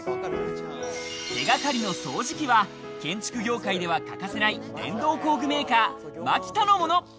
手掛かりの掃除機は建築業界では欠かせない伝統工具メーカー・マキタのもの。